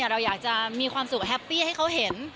เราอยากจะมีความสุขแฮปปี้ให้เขาเห็น